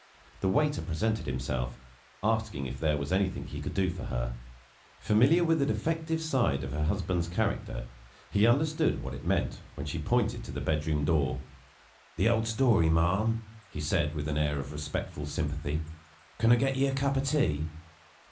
The waiter presented himself, asking if there was anything he could do for her. Familiar with the defective side of her husband's character, he understood what it meant when she pointed to the bedroom door. "The old story, ma'am," he said, with an air of respectful sympathy. "Can I get you a cup of tea?"